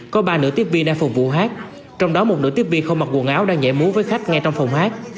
có ba nữ tiếp viên đang phục vụ hát trong đó một nữ tiếp viên không mặc quần áo đang nhảy múa với khách ngay trong phòng hát